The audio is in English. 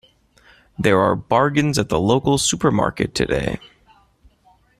There are bargains at the local supermarket today.